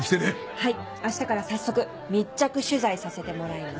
はいあしたから早速密着取材させてもらいます。